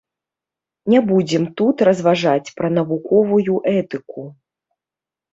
Не будзем тут разважаць пра навуковую этыку.